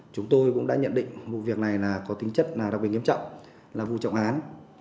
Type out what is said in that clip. chúng tôi cũng đã nhận định vụ việc này là có tính chất đặc biệt nghiêm trọng là vụ trọng án